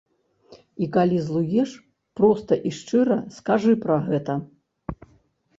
І калі злуеш, проста і шчыра скажы пра гэта.